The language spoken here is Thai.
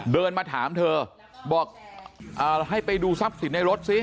เดินมาถามเธอบอกให้ไปดูทรัพย์สินในรถซิ